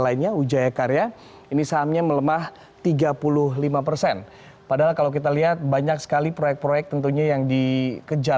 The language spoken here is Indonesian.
ini lebih baik